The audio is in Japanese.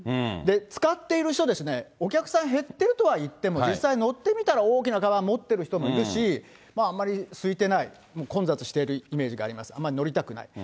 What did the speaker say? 使っている人ですね、お客さん減ってるとは言っても実際乗ってみたら、大きなかばん持ってる人もいるし、あんまり空いてない、混雑しているイメージがあります、あんまり乗りたくない。